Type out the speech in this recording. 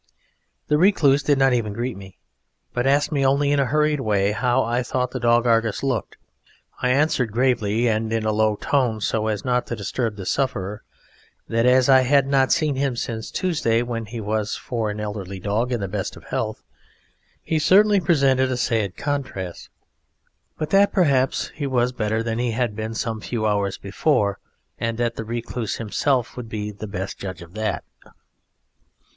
The Recluse did not even greet me, but asked me only in a hurried way how I thought the dog Argus looked. I answered gravely and in a low tone so as not to disturb the sufferer, that as I had not seen him since Tuesday, when he was, for an elderly dog, in the best of health, he certainly presented a sad contrast, but that perhaps he was better than he had been some few hours before, and that the Recluse himself would be the best judge of that.